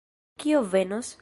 Kio venos?